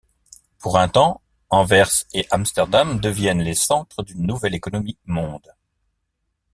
Pour un temps, Anvers et Amsterdam deviennent les centres d’une nouvelle économie-monde.